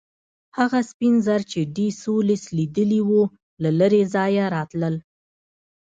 هغه سپین زر چې ډي سولس لیدلي وو له لرې ځایه راتلل.